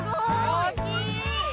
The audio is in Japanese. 大きい！